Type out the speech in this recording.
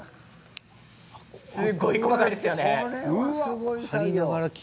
すごい細かいですよね。